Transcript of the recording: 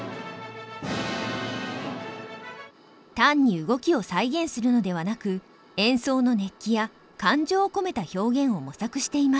単に動きを再現するのではなく演奏の熱気や感情を込めた表現を模索しています。